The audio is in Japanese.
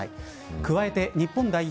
加えて日本代表